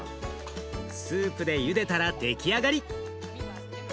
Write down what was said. スープでゆでたら出来上がり。